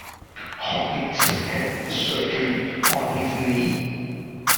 Hawkins had surgery on his knee.